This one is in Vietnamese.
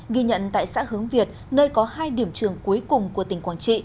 ghi nhận tại xã hướng việt nơi có hai điểm trường cuối cùng của tỉnh quảng trị